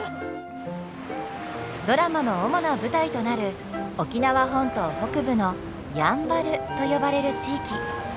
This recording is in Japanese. ドラマの主な舞台となる沖縄本島北部の「やんばる」と呼ばれる地域。